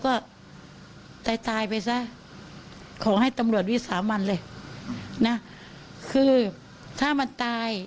ก็ตายตายไปซะขอให้ตำรวจวิสามันเลยนะคือถ้ามันตาย